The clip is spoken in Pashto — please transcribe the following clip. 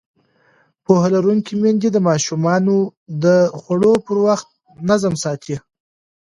پوهه لرونکې میندې د ماشومانو د خوړو پر وخت نظم ساتي.